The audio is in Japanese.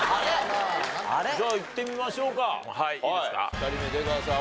２人目出川さん